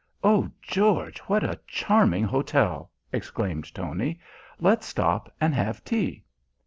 "Oh, George, what a charming hotel!" exclaimed Tony. "Let's stop and have tea."